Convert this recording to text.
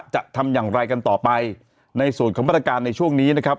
จะทำอย่างไรกันต่อไปในส่วนของมาตรการในช่วงนี้นะครับ